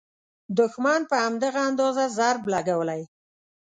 دوښمن په همدغه اندازه ضرب لګولی.